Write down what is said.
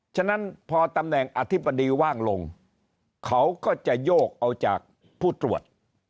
ฉะนั้นพอตำแหน่งอธิบดีว่างลงเขาก็จะโยกเอาจากผู้ตรวจ